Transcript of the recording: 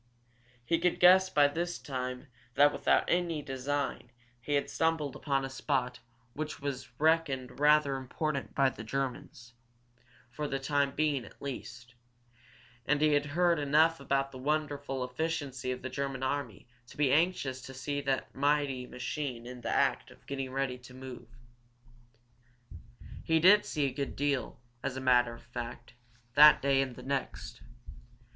He could guess by this time that without any design he had stumbled on a spot that was reckoned rather important by the Germans, for the time being at least, and he had heard enough about the wonderful efficiency of the German army to be anxious to see that mighty machine in the act of getting ready to move. He did see a good deal, as a matter of fact, that day and the next.